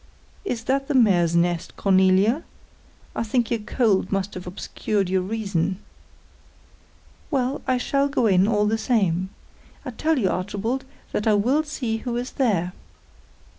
Is that the mare's nest, Cornelia? I think your cold must have obscured your reason." "Well, I shall go in, all the same. I tell you, Archibald, that I will see who is there."